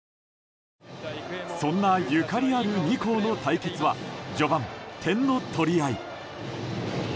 そんな、ゆかりある２校の対決は序盤、点の取り合い。